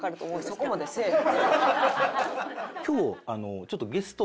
そこまでせえへん。